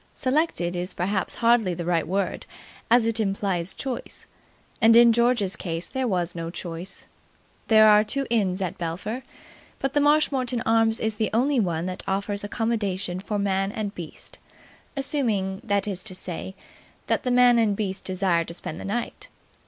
Selected is perhaps hardly the right word, as it implies choice, and in George's case there was no choice. There are two inns at Belpher, but the Marshmoreton Arms is the only one that offers accommodation for man and beast, assuming that is to say that the man and beast desire to spend the night.